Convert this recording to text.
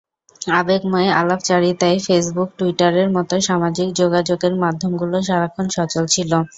আবেগময় আলাপচারিতায় ফেসবুক, টুইটারের মতো সামাজিক যোগাযোগের মাধ্যমগুলো সারাক্ষণ সচল ছিল।